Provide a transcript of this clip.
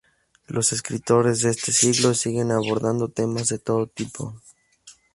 Los escritores de este siglo siguen abordando temas de todo tipo.